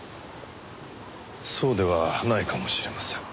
そうではないかもしれません。